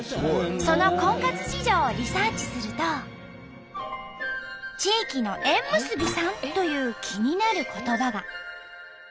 その婚活事情をリサーチすると「地域の縁結びさん」という気になる言葉が。